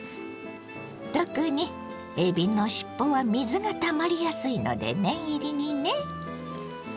特にえびの尻尾は水がたまりやすいので念入りにね。